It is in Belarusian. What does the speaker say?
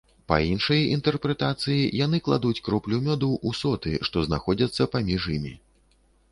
Па іншай інтэрпрэтацыі яны кладуць кроплю мёду ў соты, што знаходзяцца паміж імі.